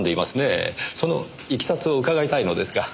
その経緯を伺いたいのですが。